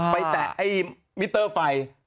แตะไอ้มิเตอร์ไฟ